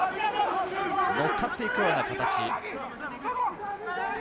乗っかっていくような形。